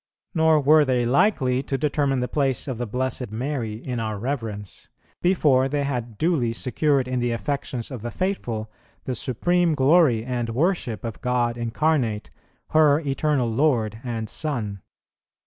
Nor were they likely to determine the place of the Blessed Mary in our reverence, before they had duly secured, in the affections of the faithful, the supreme glory and worship of God Incarnate, her Eternal Lord and Son.